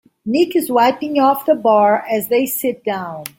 Nick is wiping off the bar as they sit down.